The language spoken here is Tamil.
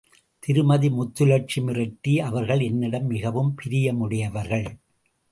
திருமதி முத்துலட்சுமி ரெட்டி அவர்கள் என்னிடம் மிகவும் பிரியமுடையவர்கள்.